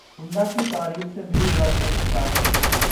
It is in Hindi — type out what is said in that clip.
मुंडा को तारीफ से मिली राजनैतिक ताकत